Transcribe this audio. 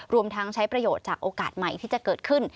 รวมทั้งใช้ประโยชน์จากโอกาสใหม่ที่จะเกิดขึ้น